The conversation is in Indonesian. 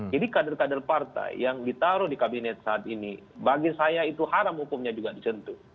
jadi kader kader partai yang ditaruh di kabinet saat ini bagi saya itu haram hukumnya juga disentuh